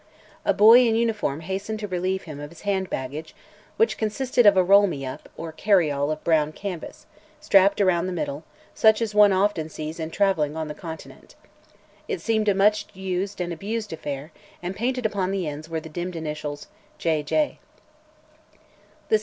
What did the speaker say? A boy in uniform hastened to relieve him of his hand baggage, which consisted of a "roll me up" or "carryall" of brown canvas, strapped around the middle, such as one often sees in traveling on the Continent. It seemed a much used and abused affair and painted upon the ends were the dimmed initials: "J. J."